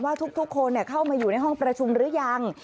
ทุกคนเข้ามาอยู่ในห้องประชุมหรือยัง